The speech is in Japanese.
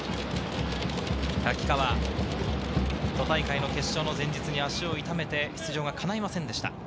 瀧川、都大会の決勝の前日に足を痛めて出場がかないませんでした。